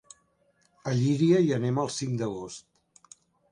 A Llíria hi anem el cinc d'agost.